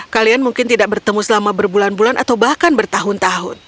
kalian mungkin tidak bertemu selama berbulan bulan atau bahkan bertahun tahun